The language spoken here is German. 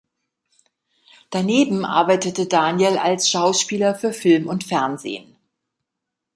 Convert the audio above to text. Daneben arbeitete Daniel als Schauspieler für Film und Fernsehen.